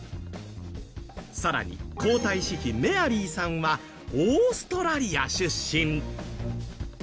更に、皇太子妃メアリーさんはオーストラリア出身。